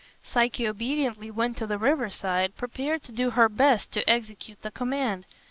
Psyche obediently went to the riverside, prepared to do her best to execute the command.